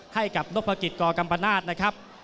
ให้กับโนภกิจกรกรกรรมนาศนะครับ